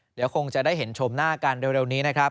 เดี๋ยวคงจะได้เห็นชมหน้ากันเร็วนี้นะครับ